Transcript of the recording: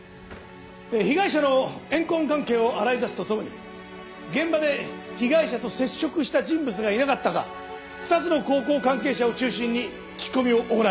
被害者の怨恨関係を洗い出すとともに現場で被害者と接触した人物がいなかったか２つの高校関係者を中心に聞き込みを行う。